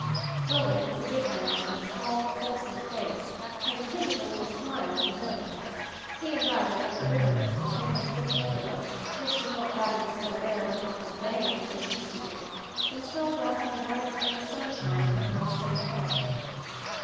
Owen was a big man with a strong, whole some face, and a quizzical little smile of his own. He and I went up the river next morning in a swift motor boat, which did not batter the still air with muffled banging as they used to do, and strolled off in the bright spring sunshine into Palisade Park.